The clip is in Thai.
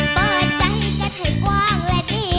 เปิดใจกันให้กว้างและนี่